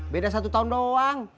beda satu tahun doang